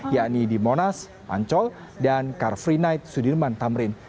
yakni di monas ancol dan car free night sudirman tamrin